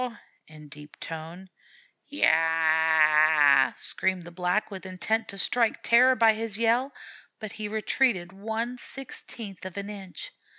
in deep tone. "Ya a a a a!" screamed the Black, with intent to strike terror by his yell; but he retreated one sixteenth of an inch.